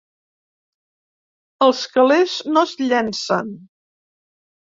Els calés no es llencen...